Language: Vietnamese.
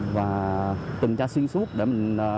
và tình tra xuyên suốt để mình